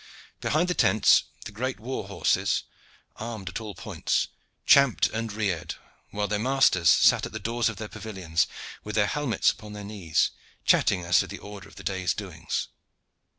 Behind the tents the great war horses, armed at all points, champed and reared, while their masters sat at the doors of their pavilions, with their helmets upon their knees, chatting as to the order of the day's doings.